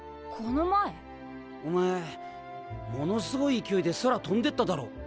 この前？おまえものすごい勢いで空飛んでっただろ。